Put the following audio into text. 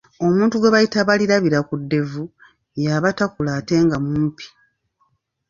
Omuntu gwe bayita Balirabirakuddevu yaba takula ate nga mumpi.